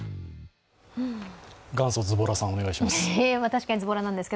元祖ズボラさん、お願いします。